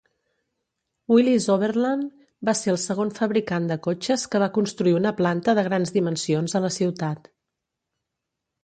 Willys-Overland va ser el segon fabricant de cotxes que va construir una planta de grans dimensions a la ciutat.